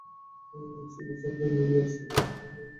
Sydney Chaplin এবং Wheeler Dryden একসাথে অভিনয় করেছেন।